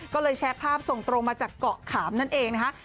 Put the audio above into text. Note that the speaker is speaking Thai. ก็เลยแชร์ภาพส่งตรงมาจากเกาะขามนั่นเองนะคะ